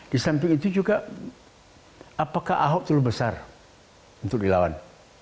di samping itu juga apakah ahok terlalu besar untuk dilawan